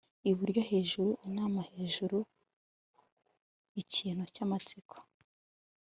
Iburyo hejuru inamahejuru ikintu cyamatsiko